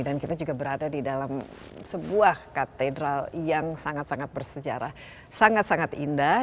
dan kita juga berada di dalam sebuah katedral yang sangat sangat bersejarah sangat sangat indah